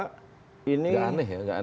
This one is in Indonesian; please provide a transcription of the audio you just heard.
tidak aneh ya